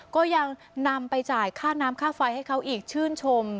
ก็ยังนำไปจ่ายค่าน้ำค่าไฟให้เขาอีกชื่นชม